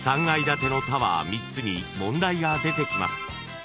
［３階建てのタワー３つに問題が出てきます］